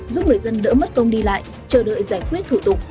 giúp người dân đỡ mất công đi lại chờ đợi giải quyết thủ tục